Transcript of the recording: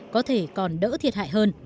có thể còn đỡ thiệt hại hơn